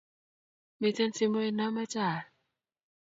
miten simoit namache ayal